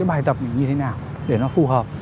bài tập như thế nào để nó phù hợp